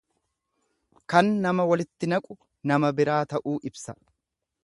Kan nama walitti naqu nama biraa ta'uu ibsa.